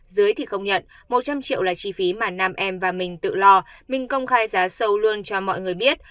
dưới thì công nhận một trăm linh triệu là chi phí mà nam em và mình tự lo mình công khai giá sâu luôn cho mọi người biết